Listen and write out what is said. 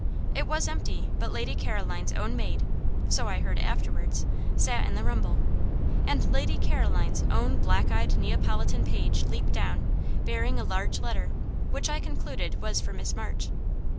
It was empty; but Lady Caroline's own maid so I heard afterwards sat in the rumble, and Lady Caroline's own black eyed Neapolitan page leaped down, bearing a large letter, which I concluded was for Miss March.